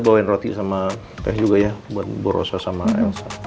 boleh juga ya bu rosa sama elsa